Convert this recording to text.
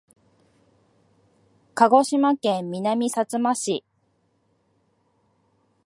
鹿児島県南さつま市